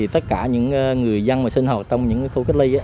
tất cả những người dân mà sinh hồ trong những khu cách ly